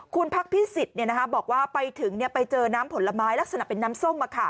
คุณพักพิศิษฐ์เนี่ยนะบอกว่าไปถึงเนี่ยไปเจอน้ำผลไม้ลักษณะเป็นน้ำส้มมาค่ะ